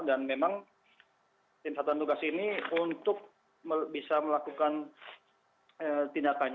dan memang tim satuan tugas ini untuk melakukan satu satu perusahaan yang memengaruhi semua kesehatan